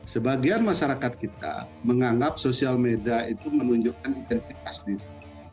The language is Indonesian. sebagian masyarakat kita menganggap sosial media itu menunjukkan identitas diri